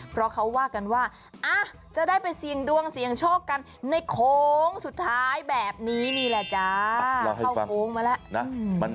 เพราะเขาว่ากันว่าจะได้ไปเสียงดวงเสียงโชคกันในโค้งสุดท้ายแบบนี้นี่แหละจ้า